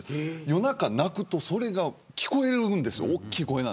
夜中、鳴くとそれが聞こえるんですよ。